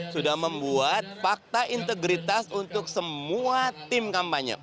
sudah membuat fakta integritas untuk semua tim kampanye